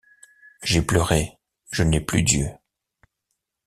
J’ai pleuré, je n’ai plus d’yeux.